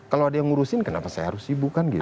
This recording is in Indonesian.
kalau ada yang ngurusin kenapa saya harus sibukan gitu